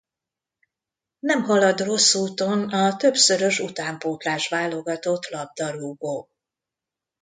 Nem halad rossz úton a többszörös utánpótlás válogatott labdarúgó.